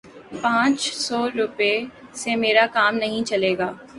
پانچ سو روپے سے میرا کام نہیں چلے گا